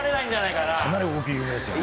かなり大きい夢ですよね。